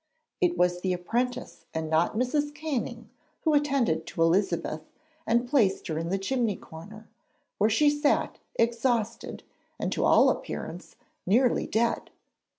It was the apprentice and not Mrs. Canning who attended to Elizabeth and placed her in the chimney corner, where she sat exhausted and to all appearance nearly dead.